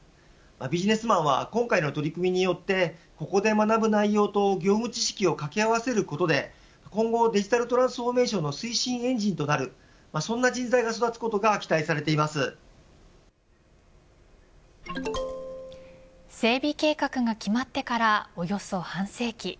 ビジネスマンは今回の取り組みによってここで学ぶ内容と業務知識を掛け合わせることで今後、デジタルトランスフォーメーションの推進エンジンとなるそんな人材が整備計画が決まってからおよそ半世紀。